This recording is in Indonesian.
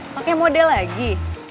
pakai model lagi